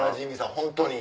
本当に。